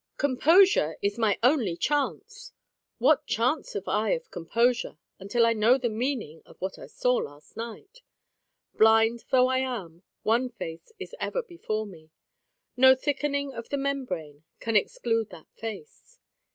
"Composure is my only chance." What chance have I of composure until I know the meaning of what I saw last night? Blind though I am, one face is ever before me. No thickening of the membrane can exclude that face.